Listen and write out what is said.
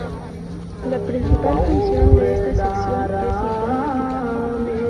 La principal función de esta sección es informativa.